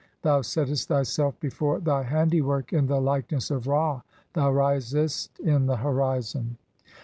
(24) Thou settest thyself before thy handiwork in the "likeness of Ra ; thou risest in the horizon."